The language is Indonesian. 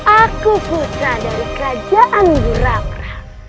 aku putra dari kerajaan burakra